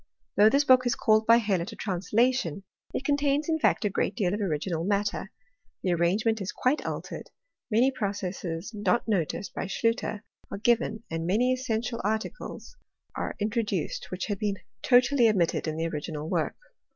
Though this book is called by Hellot a translation, it contains in fact a great deal of original matter ; the arrange ment is quite altered ; many processes not noticed by Schlutter are given, and many essential articles are introduced, which had been totally omitted in the original work.